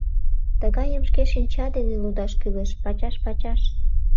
Тыгайым шке шинча дене лудаш кӱлеш, пачаш-пачаш.